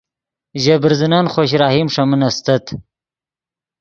ژے برزنن خوش رحیم ݰے من استت